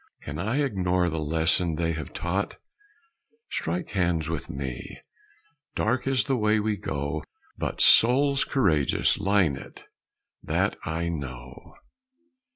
Can I ignore the lesson they have taught? Strike hands with me! Dark is the way we go, But souls courageous line it that I know!